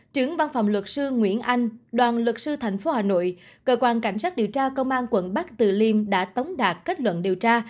trưởng văn phòng luật sư nguyễn anh đoàn luật sư tp hà nội cơ quan cảnh sát điều tra công an quận bắc từ liêm đã tống đạt kết luận điều tra